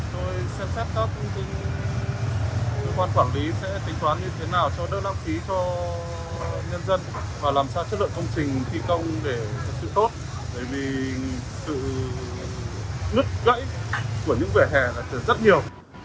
bởi vì sự nứt gãy của những vẻ hè là rất nhiều